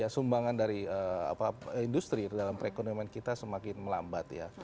sumbangan dari industri dalam perekonomian kita semakin melambat ya